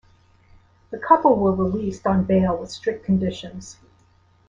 The couple were released on bail with strict conditions.